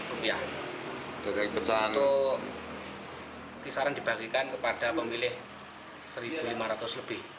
untuk kisaran dibagikan kepada pemilih satu lima ratus lebih